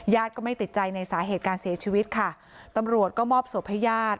ก็ไม่ติดใจในสาเหตุการเสียชีวิตค่ะตำรวจก็มอบศพให้ญาติ